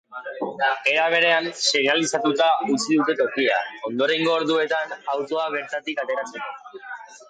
Era berean, seinalizatuta utzi dute tokia, ondorengo orduetan autoa bertatik ateratzeko.